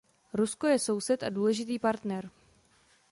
Rusko je soused a důležitý partner.